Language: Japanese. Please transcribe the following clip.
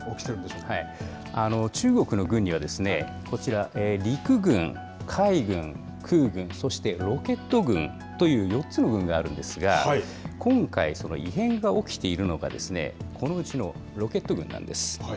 中国の軍には、こちら、陸軍、海軍、空軍、そしてロケット軍という４つの軍があるんですが、今回、その異変が起きているのが、このうちのロケット軍なんです。